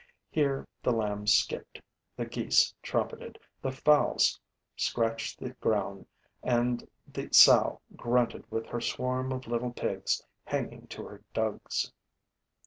Here the lambs skipped, the geese trumpeted, the fowls scratched the ground and the sow grunted with her swarm of little pigs hanging to her dugs.